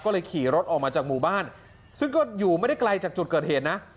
ก็เลยขี่รถออกมาจากหมู่บ้านซึ่งก็อยู่ไม่ได้ไกลจากจุดเกิดเหตุนะ